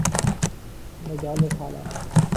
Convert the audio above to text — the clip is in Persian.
مدال طلا